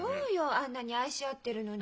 あんなに愛し合ってるのに。